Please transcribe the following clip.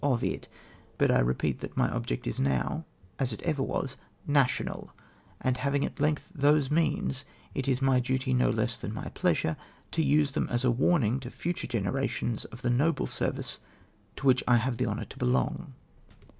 73 of it ; but I repeat tliat my object is now, as it ever was, national ; and having at length those means, it is my duty, no less than my pleasure, to use them as a warning to future generations of the noble service to which I have the honour to belong.